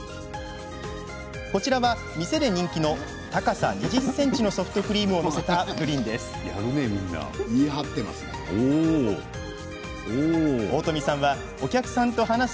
こちらは、店で人気の高さ２０ｃｍのソフトクリームを載せたプリンです。